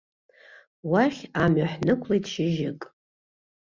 Уахь амҩа ҳнықәлеит шьыжьык.